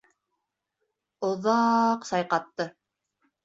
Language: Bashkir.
Оҙа-аҡ сайҡатты.